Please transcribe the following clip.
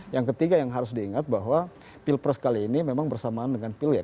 yang ketiga yang harus diingat bahwa pilpres kali ini memang bersamaan dengan pilet